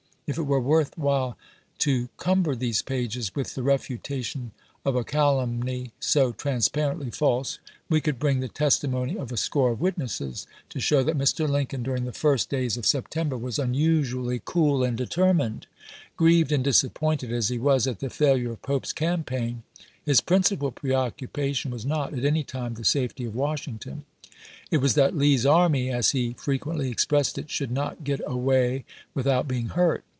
If it were worth while to cumber these pages with the refutation of a calumny so transparently false, we could bring the testimony of a score of witnesses to show that Vide Ante, p. 17. " McClel lan'8 / Own "* Story," p. 532. 28 ABKAHAM LINCOLN Chap. I. Ml*. Lmcolii, during the fii'st days of September, 1862. was unusually cool and determined. Grieved and disappointed as he was at the failure of Pope's campaign, his principal preoccupation was not at any time the safety of Washington. It was that Lee's army, as he frequently expressed it, " should not get away without being hui't."